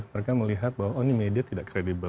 mereka melihat bahwa oh ini media tidak kredibel